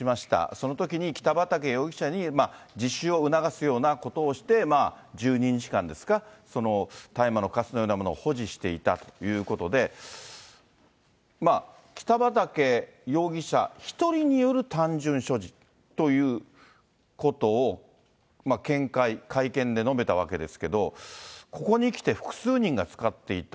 そのときに北畠容疑者に自首を促すようなことをして、１２日間ですか、大麻のかすのようなものを保持していたということで、まあ、北畠容疑者１人による単純所持ということを見解、会見で述べたわけですけど、ここにきて複数人が使っていた。